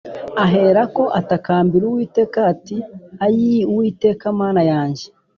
Aherako atakambira Uwiteka ati “Ayii, Uwiteka Mana yanjye!